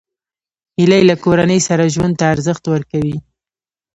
هیلۍ له کورنۍ سره ژوند ته ارزښت ورکوي